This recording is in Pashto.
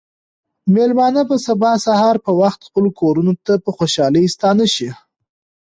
مېلمانه به سبا سهار په وخت خپلو کورونو ته په خوشحالۍ ستانه شي.